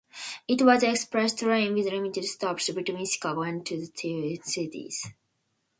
It was an express train with limited stops between Chicago and the Twin Cities.